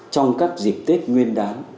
trong các dịp tết nguyên đán